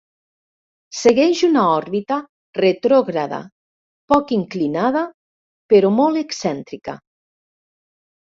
Segueix una òrbita retrògrada, poc inclinada però molt excèntrica.